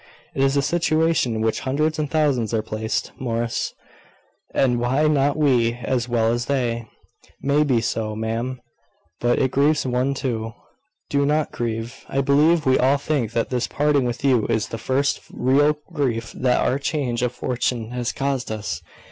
"It is a situation in which hundreds and thousands are placed, Morris; and why not we, as well as they?" "May be so, ma'am: but it grieves one, too." "Do not grieve. I believe we all think that this parting with you is the first real grief that our change of fortune has caused us.